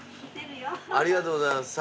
ありがとうございます。